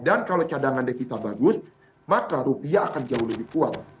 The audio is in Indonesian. kalau cadangan devisa bagus maka rupiah akan jauh lebih kuat